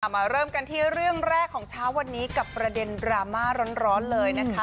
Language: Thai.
มาเริ่มกันที่เรื่องแรกของเช้าวันนี้กับประเด็นดราม่าร้อนเลยนะคะ